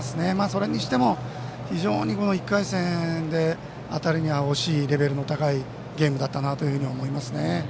それにしても１回戦で当たるには惜しい、レベルの高いゲームだったなと思いますね。